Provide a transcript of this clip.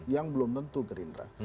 yang belum tentu gerindra